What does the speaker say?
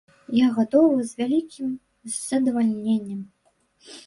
Я гатовы з вялікім задавальненнем.